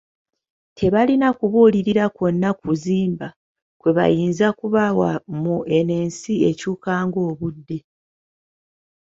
Tebalina kubuulirira kwonna kuzimba kwebayinza kubawa mu eno ensi ekyuka ng'obudde!